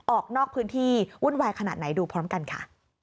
ออกนอกพื้นที่วุ่นวายขนาดไหนดูพร้อมกันค่ะ